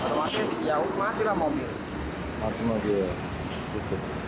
otomatis ya matilah mobil